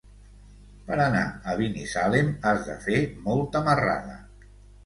Per anar a Binissalem has de fer molta marrada.